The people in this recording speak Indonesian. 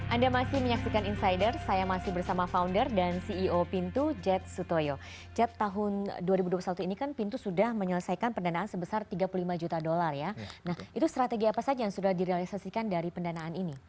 anda masih menyaksikan insider saya masih bersama founder dan ceo pintu jet sutoyo jet tahun dua ribu dua puluh satu ini kan pintu sudah menyelesaikan pendanaan sebesar tiga puluh lima juta dolar ya nah itu strategi apa saja yang sudah direalisasikan dari pendanaan ini